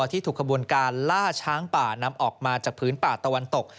ที่ถูกขบวนการล่าช้างป่านำออกมาจากพื้นป่าตะวันตก